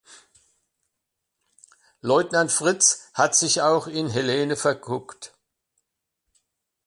Leutnant Fritz hat sich auch in Helene verguckt.